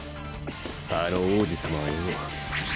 あの王子様はよ。